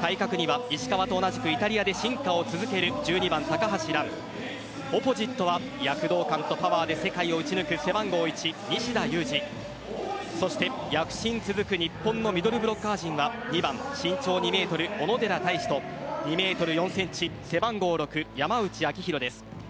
対角には、石川と同じくイタリアで進化を続ける１２番・高橋藍オポジットは、躍動感とパワーで世界を打ち抜く背番号１・西田有志そして躍進続く日本のミドルブロッカー陣は２番身長２ｍ、小野寺太志と２ｍ４ｃｍ背番号６・山内晶大です。